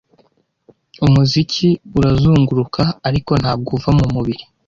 Umuziki urazunguruka, ariko ntabwo uva mumubiri,